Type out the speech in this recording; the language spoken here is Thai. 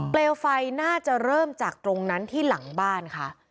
เปลวไฟน่าจะเริ่มจากตรงนั้นที่หลังบ้านค่ะ